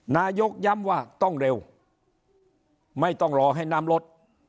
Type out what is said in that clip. นายกย้ำว่าต้องเร็วไม่ต้องรอให้น้ำลด